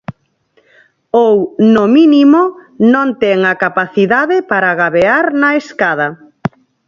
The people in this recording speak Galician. Ou, no mínimo, non ten a capacidade para gabear na escada.